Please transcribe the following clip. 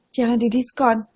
jangan di diskon